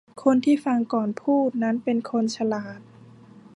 คนที่ฟังก่อนพูดนั้นเป็นคนฉลาด